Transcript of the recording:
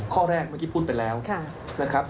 ข้อแรกเมื่อกี้พูดไปแล้วนะครับ